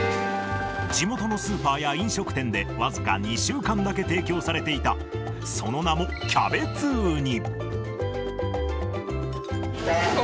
地元のスーパーや飲食店で僅か２週間だけ提供されていた、その名も、キャベツウニ。